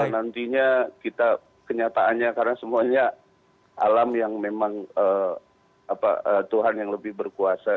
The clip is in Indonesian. nantinya kita kenyataannya karena semuanya alam yang memang tuhan yang lebih berkuasa